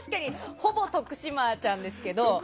ほぼ徳島ちゃんですけど。